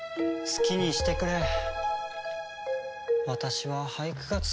好きにしていい。